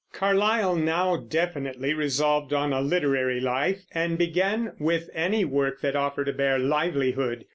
Carlyle now definitely resolved on a literary life, and began with any work that offered a bare livelihood.